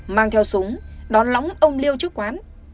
mang theo súng đón lóng ông liêu trước quán